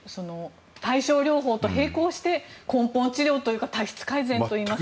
対症療法と並行して根本治療というか体質改善といいますか。